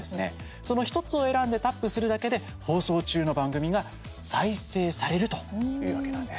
その１つを選んでタップするだけで放送中の番組が再生されるというわけなんです。